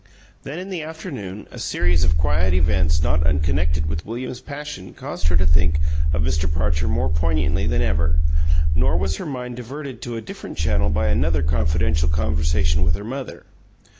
Then, in the afternoon, a series of quiet events not unconnected with William's passion caused her to think of Mr. Parcher more poignantly than ever; nor was her mind diverted to a different channel by another confidential conversation with her mother.